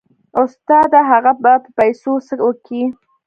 استاده هغه به په پيسو څه وكي.